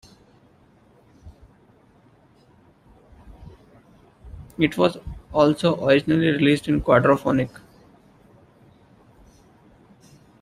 It was also originally released in quadrophonic.